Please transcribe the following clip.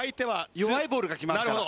弱いボールがきますから。